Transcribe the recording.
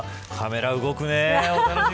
カメラ動くね。